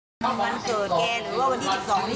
วันเกิดแกหรือว่าวันที่๑๒นี้